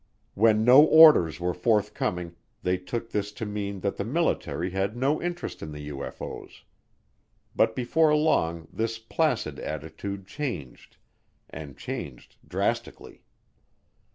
When no orders were forthcoming, they took this to mean that the military had no interest in the UFO's. But before long this placid attitude changed, and changed drastically.